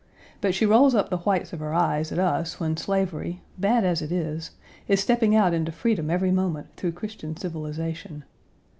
But she rolls up the whites of her eyes at us when slavery, bad as it is, is stepping out into freedom every moment through Christian civilization.